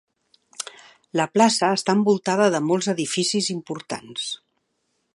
La plaça està envoltada de molts edificis importants.